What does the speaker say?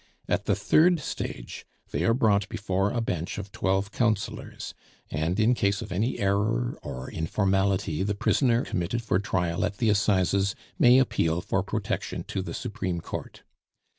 At the third stage they are brought before a bench of twelve councillors, and in case of any error or informality the prisoner committed for trial at the Assizes may appeal for protection to the Supreme court.